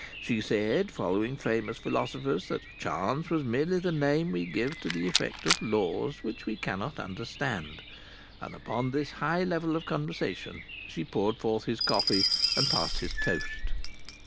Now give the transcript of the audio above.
She said, following famous philosophers, that Chance was merely the name we give to the effect of laws which we cannot understand. And, upon this high level of conversation, she poured forth his coffee and passed his toast.